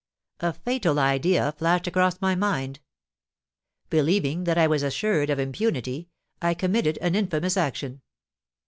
A fatal idea flashed across my mind. Believing that I was assured of impunity, I committed an infamous action.